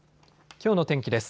きょうの天気です。